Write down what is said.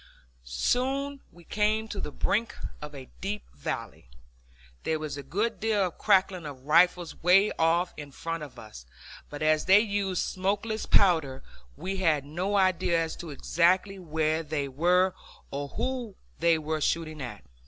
Soon we came to the brink of a deep valley. There was a good deal of cracking of rifles way off in front of us, but as they used smokeless powder we had no idea as to exactly where they were, or who they were shooting at.